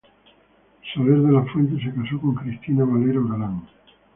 Soler de la Fuente se casó con Cristina Valero Galán.